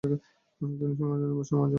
তিনি সিংহাসনে বসে মাঝে মাঝেই বলতেন: